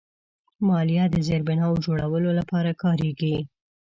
مالیه د زیربناوو جوړولو لپاره کارېږي.